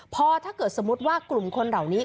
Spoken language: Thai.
พอถ้าเกิดสมมุติว่ากลุ่มคนเหล่านี้